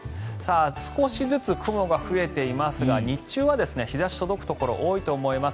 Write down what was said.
少しずつ雲が増えていますが日中は日差しが届くところ多いと思います。